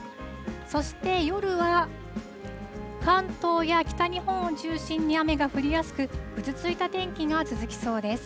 そして、夜は関東や北日本を中心に雨が降りやすく、ぐずついた天気が続きそうです。